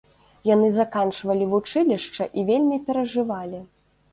Яны заканчвалі вучылішча і вельмі перажывалі.